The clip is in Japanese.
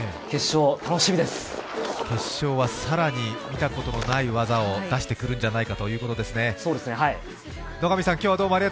決勝は更に見たことのない技を出してくるんじゃないかということですね。